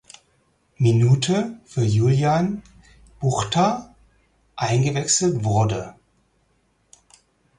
Minute für Julian Buchta eingewechselt wurde.